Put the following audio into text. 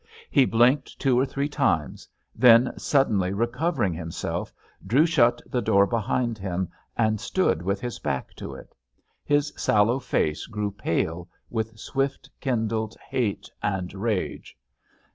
He blinked two or three times; then, suddenly recovering himself, drew shut the door behind him, and stood with his back to it. His sallow face grew pale with swift kindled hate and rage.